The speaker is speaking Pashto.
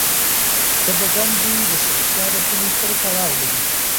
د بدن بوی د شخصي عادتونو سره تړاو لري.